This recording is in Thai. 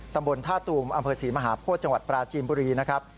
ตำบลท่าตูมอำเภอศรีมหาโพธิจังหวัดปราจีนบุรีนะครับ